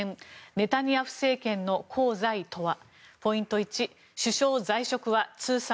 ネタニヤフ政権の功罪とは。